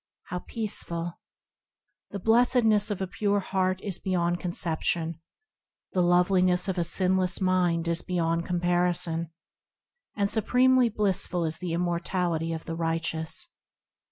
How peaceful ! The blessedness of a pure heart is beyond conception; The loveliness of a sinless mind is beyond comparison ; And supremely blissful is the immortality of the righteous.